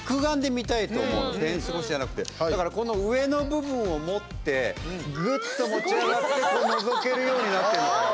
だから、この上の部分を持ってぐっと持ち上がってのぞけるようになってるのかな